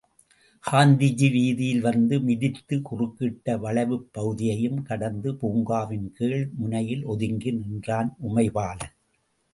காந்திஜி வீதியில் வந்து மிதித்து, குறுக்கிட்ட வளைவுப் பகுதியையும் கடந்து, பூங்காவின் கீழ் முனையில் ஒதுங்கி நின்றான் உமைபாலன்.